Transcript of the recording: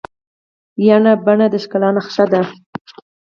ینه بڼه د ښکلا نخښه ده.